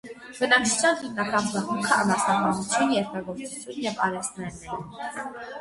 Բնակչության հիմնական զբաղմունքը անասնապահություն, երկրագործություն և արհեստներն էին։